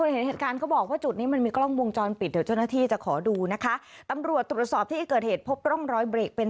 แล้วเราก็บอกว่าจะเดินไปแจ้งความเสร็จแล้วหายไปเลย